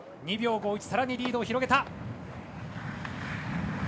２秒５１、さらにリードを広げた。